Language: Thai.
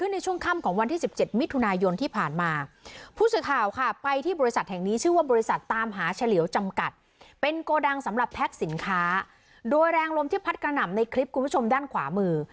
ด้วยแรงลมที่พัดกระหน่ำในคลิปคุณผู้ชมด้านขวามือ